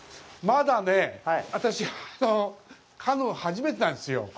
まだね、私、カヌー、初めてなんですよ。